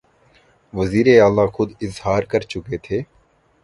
وزیراعلیٰ خود اظہار کرچکے تھے